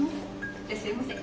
いらっしゃいませ。